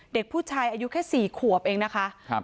เด็กผู้ชายอายุแค่สี่ขวบเองนะคะครับ